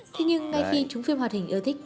thế nhưng ngay khi chúng phim hoạt hình ưa thích